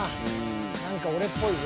何か俺っぽいぞ。